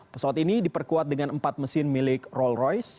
pesawat ini diperkuat dengan empat mesin milik roll royce